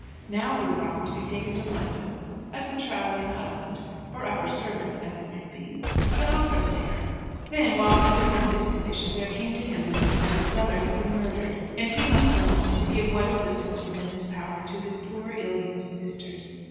Now he was offered to be taken to London as the travelling husband or upper servant, as it might be of an opera singer. Then, while he was in this condition, there came to him the news that his brother had been murdered; and he must go home to give what assistance was in his power to his poor, ill used sisters.